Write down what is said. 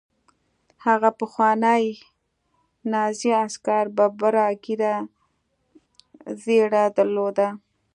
هغه پخواني نازي عسکر ببره زیړه ږیره درلوده